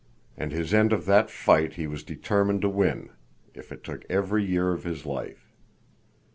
And his end of that fight he was determined to win, if it took every year of his life.